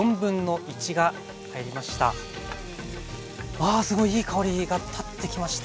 あすごいいい香りが立ってきました。